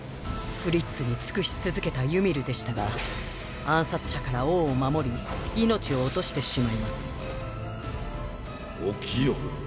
フリッツに尽くし続けたユミルでしたが暗殺者から王を守り命を落としてしまいます起きよ。